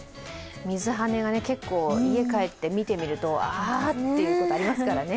水はねが結構家に帰って見てみると、あっと思うことがありますからね。